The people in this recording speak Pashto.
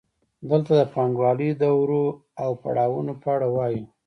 دلته د پانګوالۍ د دورو او پړاوونو په اړه وایو